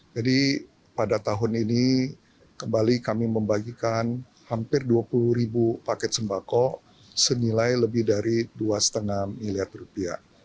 jadi pada tahun ini kembali kami membagikan hampir dua puluh paket sembako senilai lebih dari dua lima miliar rupiah